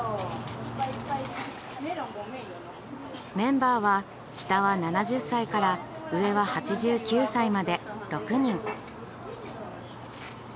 メンバーは下は７０歳から上は８９歳まで６人。